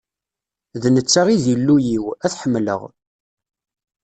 D netta i d Illu-iw, ad t-ḥemdeɣ.